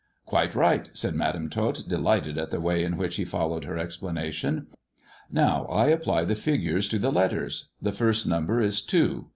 " Quite right," said Madam Tot, delighted at the way in which he followed her explanation. Now I apply the figures to the letters. The first number is two.